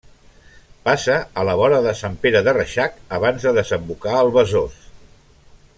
Passa a la vora de Sant Pere de Reixac abans de desembocar al Besòs.